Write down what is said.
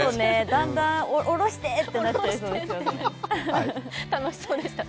だんだん降ろしてってなっちゃいそうですよね。